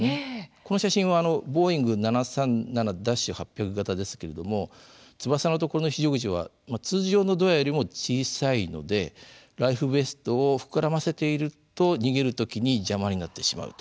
この写真はボーイング７３７−８００型ですけれども翼の所の非常口は通常のドアよりも小さいのでライフベストを膨らませていると逃げる時に邪魔になってしまうということなんですね。